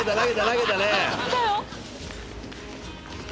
投げたね。